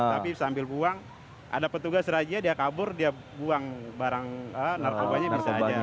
tapi sambil buang ada petugas rajia dia kabur dia buang barang narkobanya bisa aja